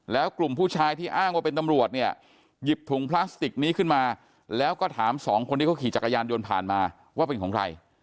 แล้วกลุ่มผู้ชายที่อ้างว่าเป็นตำรวจเนี่ยหยิบถุงพลาสติกนี้ขึ้นมาแล้วก็ถามสองคนที่เขาขี่จักรยานยนต์ผ่านมาว่าเป็นของใคร